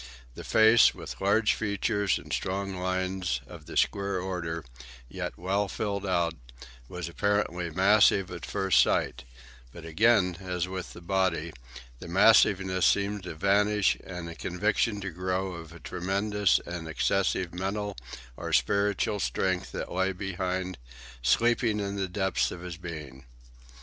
The face, with large features and strong lines, of the square order, yet well filled out, was apparently massive at first sight; but again, as with the body, the massiveness seemed to vanish, and a conviction to grow of a tremendous and excessive mental or spiritual strength that lay behind, sleeping in the deeps of his being.